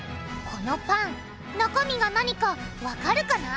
このパン中身が何かわかるかな？